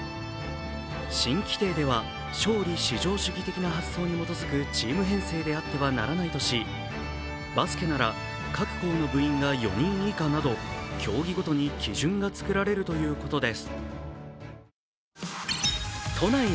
新規定では勝利至上主義的な発想に基づくチーム編成であってはならないとしバスケなら各校の部員が４人以下など競技ごとに基準が作られるということです。